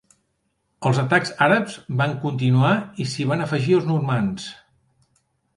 Els atacs àrabs van continuar i s'hi van afegir els normands.